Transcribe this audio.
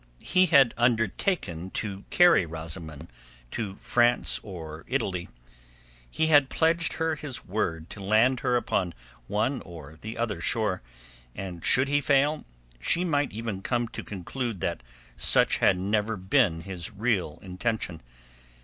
He had undertaken to carry Rosamund to France or Italy; he had pledged her his word to land her upon one or the other shore, and should he fail, she might even come to conclude that such had never been his real intention.